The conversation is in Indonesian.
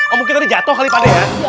oh mungkin tadi jatoh kali pade ya